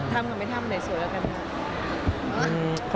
ทำไหมทำได้สวยแล้วกัน